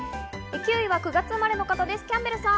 ９位は９月生まれの方、キャンベルさん。